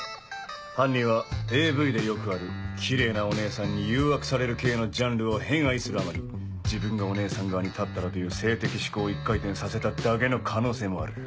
犯人はＡＶでよくあるキレイなお姉さんに誘惑される系のジャンルを偏愛するあまり自分がお姉さん側に立ったらという性的嗜好を一回転させただけの可能性もある。